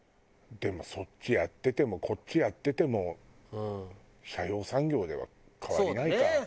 でもそっちやっててもこっちやってても斜陽産業では変わりないか。